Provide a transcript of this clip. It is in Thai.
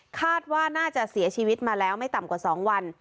คาดว่าน่าจะเสียชีวิตมาแล้วไม่ต่ำกว่า๒วัน